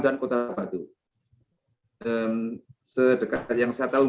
jadi saya k stupidkkus jadi mereka tembak saya sendiri di jodohthere